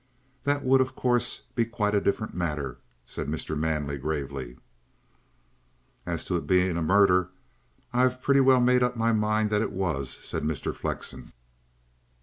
"That would, of course, be quite a different matter," said Mr. Manley gravely. "As to its being a murder, I've pretty well made up my mind that it was," said Mr. Flexen.